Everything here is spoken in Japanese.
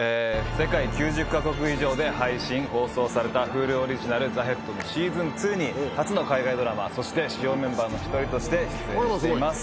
世界９０か国以上で配信放送されたＨｕｌｕオリジナル『ＴＨＥＨＥＡＤ』のシーズン２に初の海外ドラマそして主要メンバーの１人として出演しています。